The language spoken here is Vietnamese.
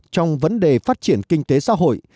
trong vấn đề phát triển kinh tế xã hội